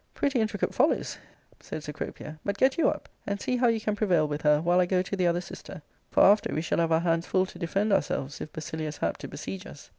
*'" Pretty intricate follies, said Cecropia; " but get you up, and see how you can prevail with her, while I go to the other sister; for after we shall have our hands full to defend ourselves, if Basilius hap to besiege us.